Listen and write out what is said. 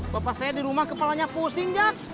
bapak saya di rumah kepalanya pusing ya